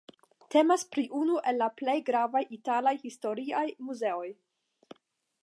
Temas pri unu el la plej gravaj italaj historiaj muzeoj.